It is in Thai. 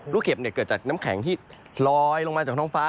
เห็บเกิดจากน้ำแข็งที่ลอยลงมาจากท้องฟ้า